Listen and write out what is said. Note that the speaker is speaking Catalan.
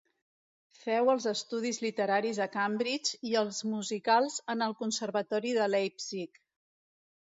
Feu els estudis literaris a Cambridge i els musicals en el Conservatori de Leipzig.